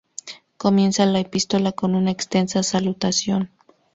Comienza la epístola con una extensa salutación.